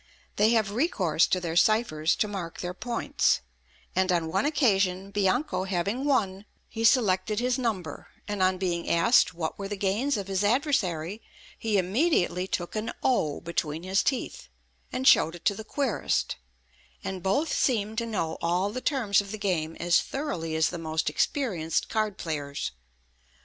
They have recourse to their ciphers to mark their points; and on one occasion Bianco having won, he selected his number, and on being asked what were the gains of his adversary, he immediately took an O between his teeth, and showed it to the querist; and both seemed to know all the terms of the game as thoroughly as the most experienced card players.